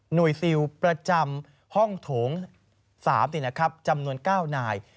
หน่วยซิลประจำห้องโถงสามสินะครับจำนวนเก้านาย